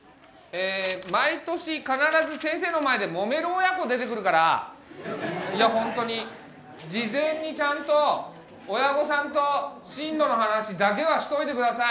毎年必ず先生の前でもめる親子出てくるからいやホントに事前にちゃんと親御さんと進路の話だけはしといてください